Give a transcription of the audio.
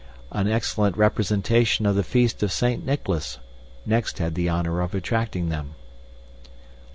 An excellent representation of the "Feast of Saint Nicholas" next had the honor of attracting them.